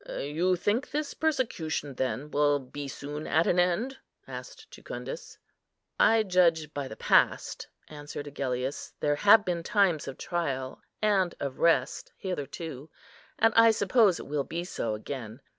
"You think this persecution, then, will be soon at an end?" asked Jucundus. "I judge by the past," answered Agellius; "there have been times of trial and of rest hitherto, and I suppose it will be so again.